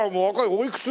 おいくつ？